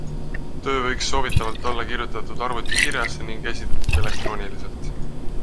Töö võiks soovitavalt olla kirjutatud arvutikirjas ning esitatud elektrooniliselt.